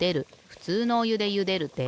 ふつうのおゆでゆでるで。